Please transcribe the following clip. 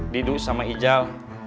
didu sama ijal